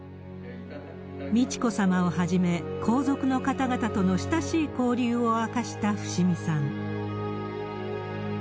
美智子さまをはじめ、皇族の方々との親しい交流を明かした伏見さん。